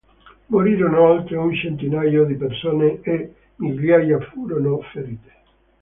Morirono oltre un centinaio di persone e migliaia furono ferite.